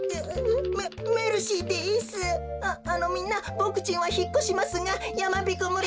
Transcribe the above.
ああのみんなボクちんはひっこしますがやまびこ村。